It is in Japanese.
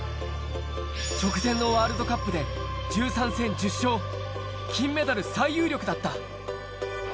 直前のワールドカップで１３戦１０勝、金メダル最有力だった。